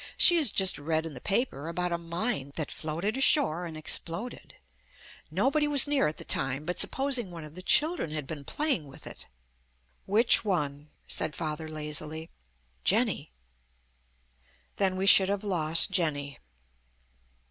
She has just read in the paper about a mine that floated ashore and exploded. Nobody was near at the time, but supposing one of the children had been playing with it. "Which one?" said Father lazily. "Jenny." "Then we should have lost Jenny."